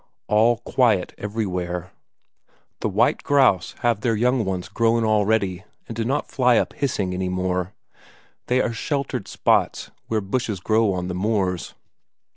All quiet everywhere; the white grouse have their young ones grown already and do not fly up hissing any more; they are sheltered spots where bushes grow on the moors.